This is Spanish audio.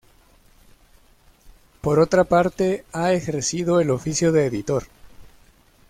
Por otra parte, ha ejercido el oficio de editor.